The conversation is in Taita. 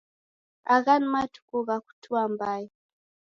Agha ni matuku gha kutua mbai.